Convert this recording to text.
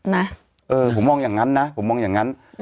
นะเออผมมองอย่างนั้นนะผมมองอย่างนั้น